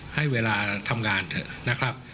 ให้เวลาทำงานเถอะนะครับ